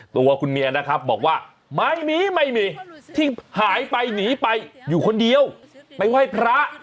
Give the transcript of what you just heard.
ตัวคุณเมียนะครับบอกว่าไม่มีไม่มีที่หายไปหนีไปอยู่คนเดียวไปไหว้พระ